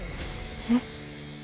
えっ？